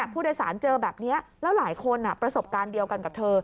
ผู้โดยสารเจอแบบนี้แล้วหลายคนประสบการณ์เดียวกันกับเธอ